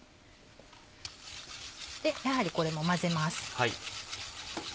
やはりこれも混ぜます。